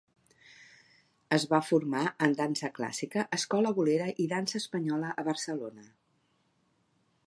Es va formar en dansa clàssica, escola bolera i dansa espanyola a Barcelona.